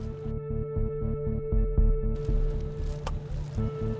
kamu berdua masih bernasib baik